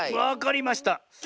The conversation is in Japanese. わかりました。